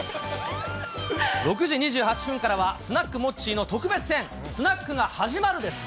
６時２８分からは、スナックモッチーの特別編、スナックが始まるです。